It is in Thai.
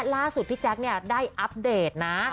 ล่าสุดพี่แจ๊คได้อัปเดตนะ